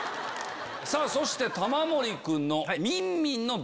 そして玉森君の。